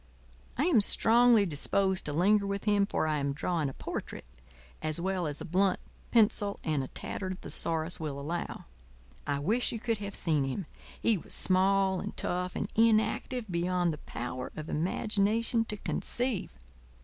I am strongly disposed to linger with him, for I am drawing a portrait as well as a blunt pencil and a tattered thesaurus will allow. I wish you could have seen him: he was small and tough and inactive beyond the power of imagination to conceive.